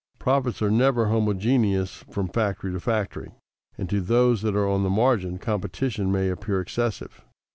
Profits are never homogeneous from factory to factory, and to those that are on the margin competition may appear excessive.